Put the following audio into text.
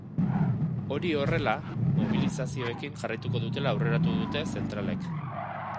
Hori horrela, mobilizazioekin jarraituko dutela aurreratu dute zentralek.